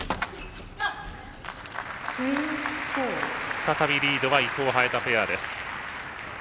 再び、リードは伊藤、早田ペアです。